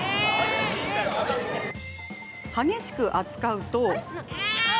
激しく扱うと。